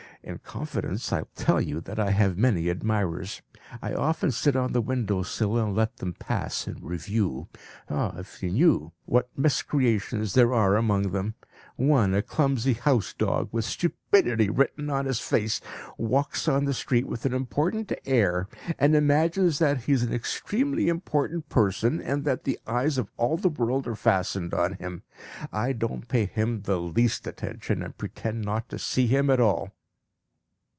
In confidence I will tell you that I have many admirers. I often sit on the window sill and let them pass in review. Ah! if you knew what miscreations there are among them; one, a clumsy house dog, with stupidity written on his face, walks the street with an important air and imagines that he is an extremely important person, and that the eyes of all the world are fastened on him. I don't pay him the least attention, and pretend not to see him at all.